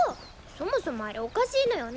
そもそもあれおかしいのよね